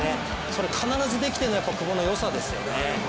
それ、必ずできているのが久保の良さですよね。